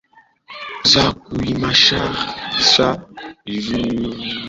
za kuimarisha jumuiya yao au kueneza imani yao lakini Wakristo walio